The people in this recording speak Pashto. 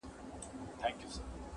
تا پټ کړی تر خرقې لاندي تزویر دی.!